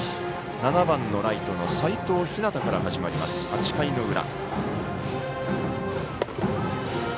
７番のライトの齋藤陽から始まります、８回の裏。